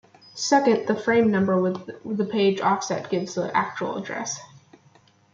Second, the frame number with the page offset gives the actual address.